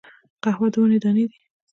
قهوه د ونې دانی دي